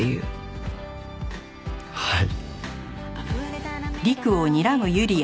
はい。